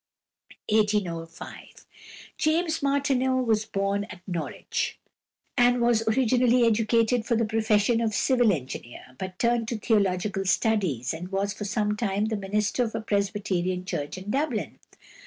=James Martineau (1805 )= was born at Norwich, and was originally educated for the profession of civil engineer, but turned to theological studies, and was for some time the minister of a Presbyterian Church in Dublin.